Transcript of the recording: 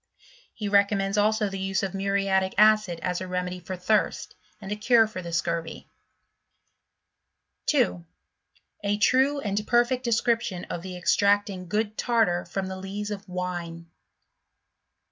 He recommends also the use of muriatic acid as a remedy for thirst, and a cure for the scurvy* 2. A true and perfect Description of the extracting i good Tartar from the Lees of Wine.